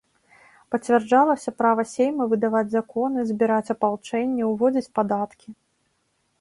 Пацвярджалася права сейма выдаваць законы, збіраць апалчэнне, уводзіць падаткі.